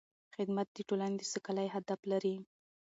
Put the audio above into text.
خدمت د ټولنې د سوکالۍ هدف لري.